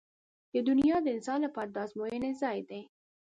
• دنیا د انسان لپاره د ازموینې ځای دی.